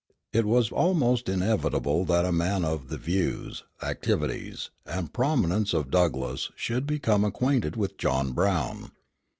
It was almost inevitable that a man of the views, activities, and prominence of Douglass should become acquainted with John Brown.